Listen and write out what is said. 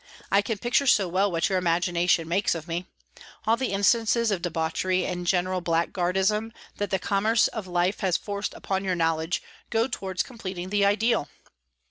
I can picture so well what your imagination makes of me. All the instances of debauchery and general blackguardism that the commerce of life has forced upon your knowledge go towards completing the ideal.